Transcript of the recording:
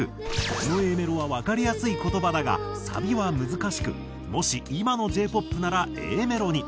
このＡメロはわかりやすい言葉だがサビは難しくもし今のＪ−ＰＯＰならＡメロに。